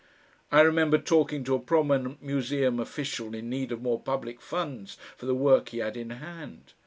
I remember talking to a prominent museum official in need of more public funds for the work he had in hand.